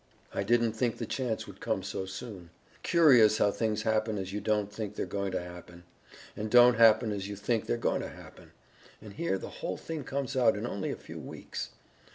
"I didn't think the chance would come so soon. Curious how things happen as you don't think they're going to happen, and don't happen as you think they're going to happen, and here the whole thing comes out in only a few weeks.